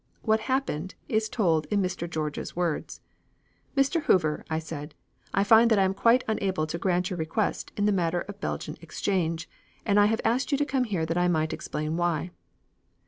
What happened is told in Mr. George's words: "'Mr. Hoover,' I said, 'I find I am quite unable to grant your request in the matter of Belgian exchange, and I have asked you to come here that I might explain why.'